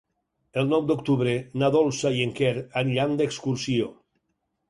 El nou d'octubre na Dolça i en Quer aniran d'excursió.